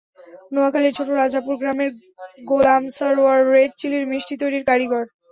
নোয়াখালীর ছোট রাজাপুর গ্রামের গোলাম সরোয়ার রেড চিলির মিষ্টি তৈরির কারিগর।